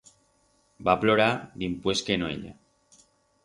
Va plorar dimpués que no ella.